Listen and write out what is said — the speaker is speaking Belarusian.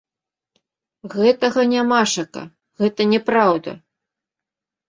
Гэтага нямашака, гэта няпраўда.